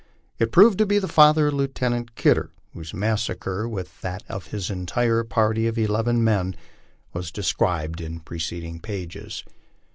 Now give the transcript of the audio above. It proved to be the father of Lieutenant Kidder, whose massacre, with that of his entire party of eleven men, was described in preceding pages.